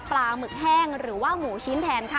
หมึกแห้งหรือว่าหมูชิ้นแทนค่ะ